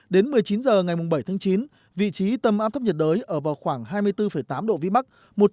đến một mươi chín h ngày bảy tháng chín vị trí tâm áp thấp nhiệt đới ở vào khoảng hai mươi bốn tám độ vĩ bắc